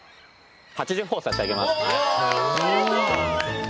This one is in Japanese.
８０ほぉ差し上げます。